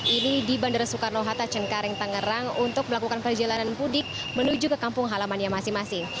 ini di bandara soekarno hatta cengkareng tangerang untuk melakukan perjalanan mudik menuju ke kampung halamannya masing masing